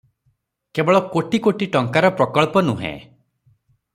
କେବଳ କୋଟି କୋଟି ଟଙ୍କାର ପ୍ରକଳ୍ପ ନୁହେଁ ।